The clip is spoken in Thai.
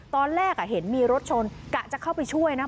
ตอนแรกเห็นมีรถชนกะจะเข้าไปช่วยนะ